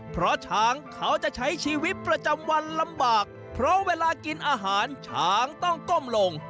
เพราะช้างเขาจะใช้ชีวิตประจำวันลำบากเพราะเวลากินอาหารช้างต้องก้มลง